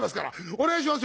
お願いしますよ」。